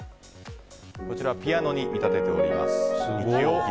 こちらピアノに見立てております。